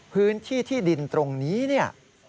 พื้นที่ที่ดินตรงนี้